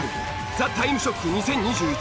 『ザ・タイムショック２０２１』